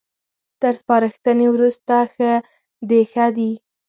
تر سپارښتنې وروسته ښه ديښه دي